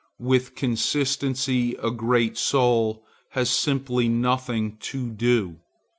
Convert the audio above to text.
With consistency a great soul has simply nothing to do.